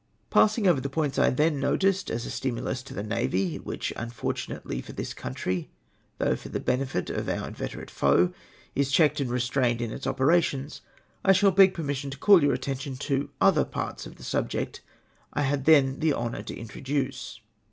" Passing over the points I then noticed as a stimulus to the Navy, which, unfortunately for this country, thougli for the benefit of our inveterate foe, is checked and restrained in its operations, I shall beg permission to call your attention to other 2>arts of the subject I had then the honour to introduce.